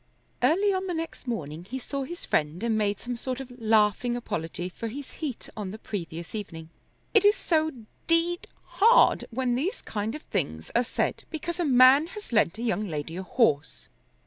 Early on the next morning he saw his friend and made some sort of laughing apology for his heat on the previous evening. "It is so d hard when these kind of things are said because a man has lent a young lady a horse.